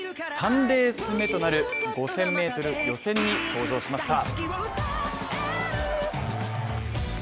３レース目となる５０００ｍ予選に登場しました。